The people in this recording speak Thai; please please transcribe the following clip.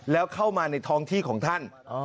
แล้วเข้ามาในท้องที่ของท่าน